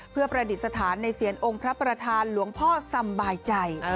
เพื่อประดิษฐานในเสียรองค์พระประธานหลวงพ่อสบายใจ